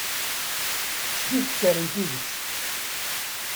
Kečč d ifker n tidet.